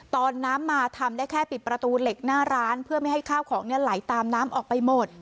ตอนน้ำมาทำได้แค่ปิดประตูเหล็กหน้าร้านเพื่อไม่ให้ข้าวของไหลตามน้ำออกไปหมด